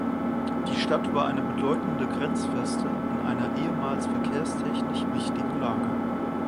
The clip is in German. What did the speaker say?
Die Stadt war eine bedeutende Grenzfeste in einer ehemals verkehrstechnisch wichtigen Lage.